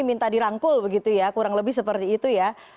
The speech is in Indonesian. minta dirangkul begitu ya kurang lebih seperti itu ya